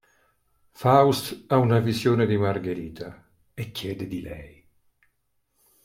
Faust ha una visione di Margherita e chiede di lei.